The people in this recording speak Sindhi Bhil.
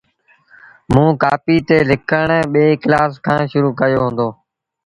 موݩ ڪآپيٚ تي لکڻ ٻي ڪلآس کآݩ شرو ڪيو هُݩدو۔